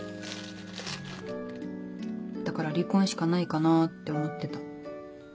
だから離婚しかないかなって思ってた。